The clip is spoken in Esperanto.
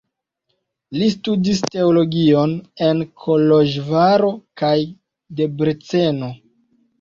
Li studis teologion en Koloĵvaro kaj Debreceno.